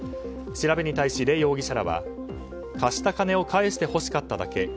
調べに対し、レ容疑者らは貸した金を返してほしかっただけ。